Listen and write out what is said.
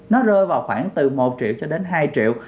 nó rơi vào khoảng từ một triệu cho đến hai triệu